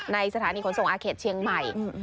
สถานีขนส่งอาเขตเชียงใหม่